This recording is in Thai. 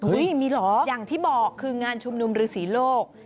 มีเหรออย่างที่บอกคืองานชุมนุมฤษีโลก